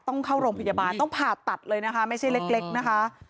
ต้องเข้าโรงพยาบาลต้องผ่าตัดเลยนะคะไม่ใช่เล็กนะคะ